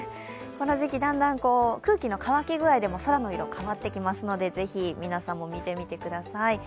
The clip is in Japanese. この時期、だんだん空気の乾き具合でも空の色、変わってきますのでぜひ皆さんも見てみてください。